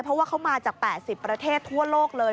เพราะว่าเขามาจาก๘๐ประเทศทั่วโลกเลย